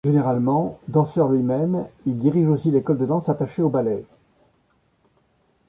Généralement danseur lui-même, il dirige aussi l'école de danse attachée au ballet.